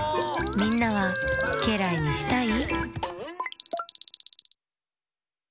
みんなはけらいにしたい？